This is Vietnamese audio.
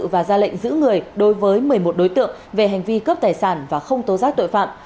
và ra lệnh giữ người đối với một mươi một đối tượng về hành vi cướp tài sản và không tố giác tội phạm